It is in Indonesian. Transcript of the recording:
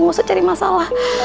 nggak usah cari masalah